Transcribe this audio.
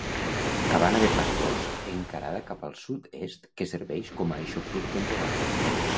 Cabana de pastors encarada cap al sud-est que serveix com a aixopluc temporal.